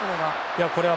これは。